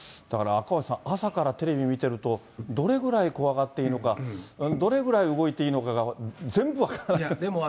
だから赤星さん、朝からテレビ見てると、どれぐらい怖がっていいのか、どれぐらい動いていいのかが全部分からなくなって。